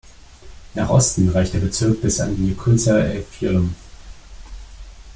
Nach Osten reicht der Bezirk bis an die Jökulsá á Fjöllum.